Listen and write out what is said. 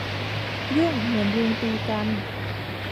ยุ่งเหมือนยุงตีกัน